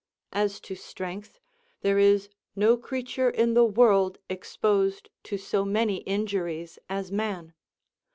As to strength, there is no creature in the world exposed to so many injuries as man.